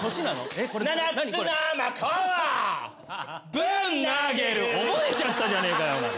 「ぶん投げる」覚えちゃったじゃねえかよ！